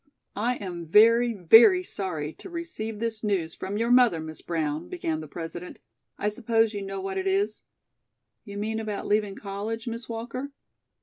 "I am very, very sorry to receive this news from your mother, Miss Brown," began the President. "I suppose you know what it is?" "You mean about leaving college, Miss Walker?"